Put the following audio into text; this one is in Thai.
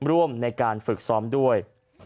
ร่วมในการฝึกซ้อมด้วย